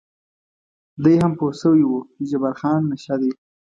دی هم پوه شوی و چې جبار خان نشه دی.